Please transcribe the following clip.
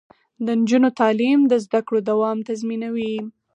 د نجونو تعلیم د زدکړو دوام تضمینوي.